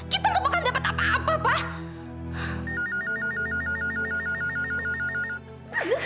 kita gak bakalan dapat apa apa pa